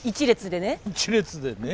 一列でね。